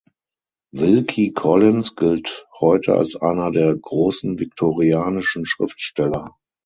Wilkie Collins gilt heute als einer der großen viktorianischen Schriftsteller.